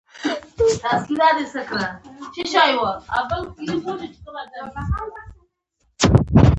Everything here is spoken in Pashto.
د امریکا له متحده ایالاتو سره یوځای